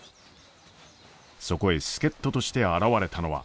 そこへ助っ人として現れたのは。